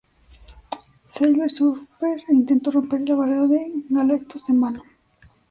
Silver Surfer intentó romper la barrera de Galactus en vano.